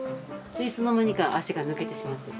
でいつの間にか脚が抜けてしまって。